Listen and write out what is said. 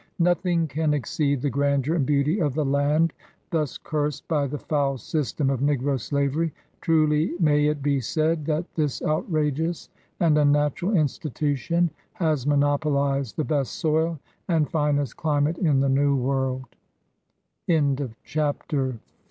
Nothing can exceed the grandeur and beauty of the land thus cursed by the foul system of negro slavery. Truly may it be said, that this outrageous and unnatural institution has monopolized the best soil and finest climate in the New Worl